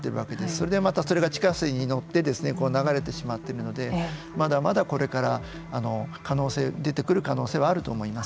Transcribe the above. それでまたそれが地下水に乗って流れてしまっているのでまだまだこれから出てくる可能性はあると思います。